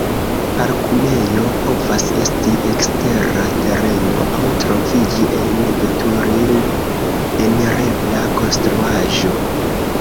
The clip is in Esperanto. Parkumejo povas esti ekstera tereno aŭ troviĝi en veturil-enirebla konstruaĵo.